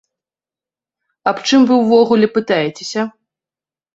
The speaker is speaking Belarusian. Аб чым вы ўвогуле пытаецеся?!